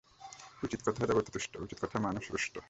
উচিত কথায় দেবতা তুষ্ট, উচিত কথায় মানুষ রুষ্ট।